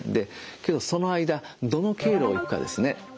けどその間どの経路を行くかですね。